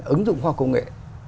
ứng dụng khoa học công nghệ